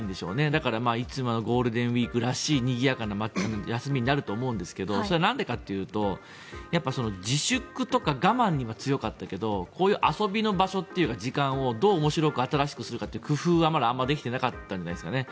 だから、いつものゴールデンウィークらしいにぎやかな休みになると思うんですがそれはなんでかというとやっぱり自粛とか我慢が強かったけどこういう遊びの場所というか時間をどう面白く新しくするかという工夫はまだあまりできてなかったんじゃないですかね。